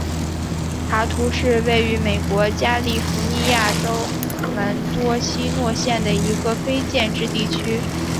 塔图是位于美国加利福尼亚州门多西诺县的一个非建制地区。